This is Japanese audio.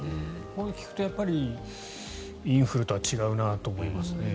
こう聞くとインフルとは違うなと思います。